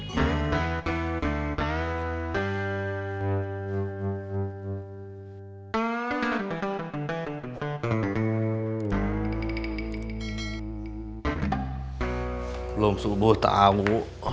belum subuh tau